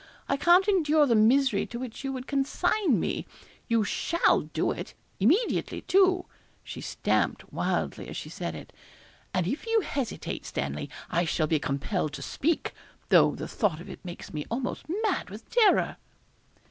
I can't endure the misery to which you would consign me; you shall do it immediately, too' (she stamped wildly as she said it), 'and if you hesitate, Stanley, I shall be compelled to speak, though the thought of it makes me almost mad with terror.'